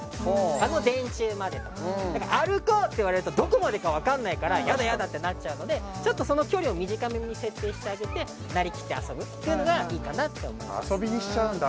「あの電柱まで」とか「歩こう！」って言われるとどこまでかわかんないから「ヤダヤダ！」ってなっちゃうのでちょっとそのなりきって遊ぶっていうのがいいかなって思います